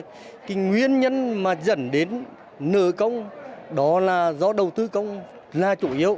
thì nguyên nhân mà dẫn đến nợ công đó là do đầu tư công là chủ yếu